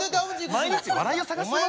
毎日笑いを探してます。